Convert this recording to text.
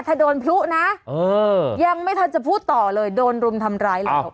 ถ้าโดนพลุนะยังไม่ทันจะพูดต่อเลยโดนรุมทำร้ายแล้ว